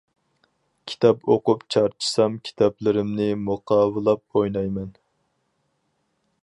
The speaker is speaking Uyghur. كىتاب ئوقۇپ چارچىسام كىتابلىرىمنى مۇقاۋىلاپ ئوينايمەن.